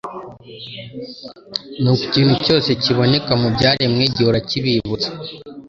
Nuko ikintu cyose kiboneka mu byaremwe gihora kibibutsa